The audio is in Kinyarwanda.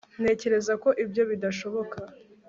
ntekereza ko ibyo bidashoboka